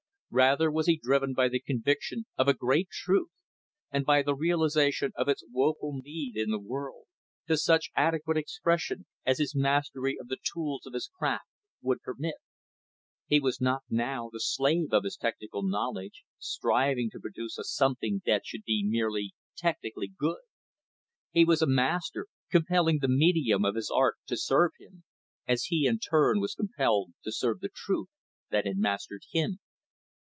Rather was he driven by the conviction of a great truth, and by the realization of its woeful need in the world, to such adequate expression as his mastery of the tools of his craft would permit He was not, now, the slave of his technical knowledge; striving to produce a something that should be merely technically good. He was a master, compelling the medium of his art to serve him; as he, in turn, was compelled to serve the truth that had mastered him.